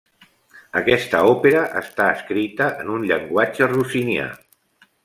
Aquesta òpera està escrita en un llenguatge rossinià.